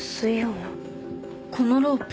このロープ。